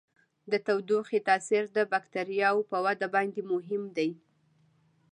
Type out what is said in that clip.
د تودوخې تاثیر د بکټریاوو په وده باندې مهم دی.